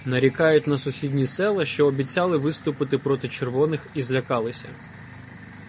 Нарікають на сусідні села, що обіцяли виступити проти червоних і злякалися.